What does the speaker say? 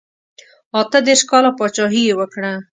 اته دېرش کاله پاچهي یې وکړه.